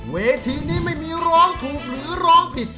เวทีนี้ไม่มีร้องถูกหรือร้องผิด